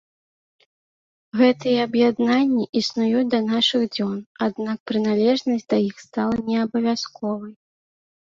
Гэтыя аб'яднанні існуюць да нашых дзён, аднак прыналежнасць да іх стала не абавязковай.